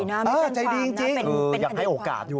อืมมันยังใจดีนะไม่เป็นความนะเป็นคณะความอยากให้โอกาส